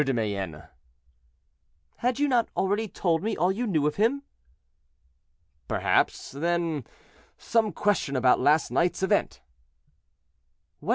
de Mayenne." "Had you not already told me all you knew of him?" "Perhaps, then, some question about last night's event."